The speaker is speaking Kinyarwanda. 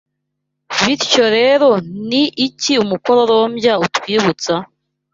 Bityo rero ni iki umukororombya utwibutsa?